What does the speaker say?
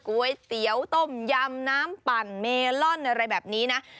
ก๋วยเตี๋ยวต้มยำน้ำปั่นเมลอนอะไรแบบนี้นะ